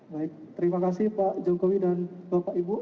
baik terima kasih pak jokowi dan bapak ibu